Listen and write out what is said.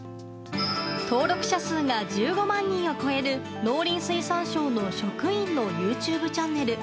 登録者数が１５万人を超える農林水産省の職員のＹｏｕＴｕｂｅチャンネル。